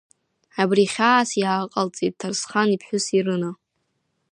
Абри хьаас иааҟалҵеит Ҭарсхан иԥҳәыс Ерына.